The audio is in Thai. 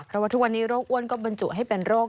เพราะว่าทุกวันนี้โรคอ้วนก็บรรจุให้เป็นโรค